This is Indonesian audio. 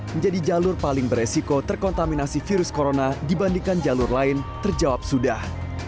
menjadi jalur paling beresiko terkontaminasi virus corona dibandingkan jalur lain terjawab sudah